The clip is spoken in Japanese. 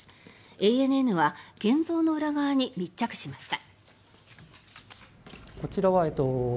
ＡＮＮは建造の裏側に密着しました。